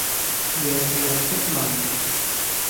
弱弱的問